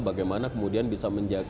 bagaimana kemudian bisa menjaga